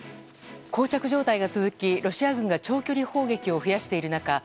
膠着状態が続き、ロシア軍が長距離砲撃を増やしている中